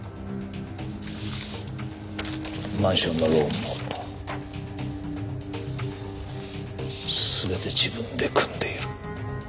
マンションのローンも全て自分で組んでいる。